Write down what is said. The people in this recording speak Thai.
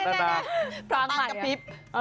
พระปางกับพิพย์